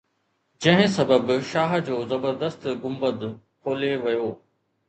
جنهن سبب شاهه جو زبردست گنبد کولي ويو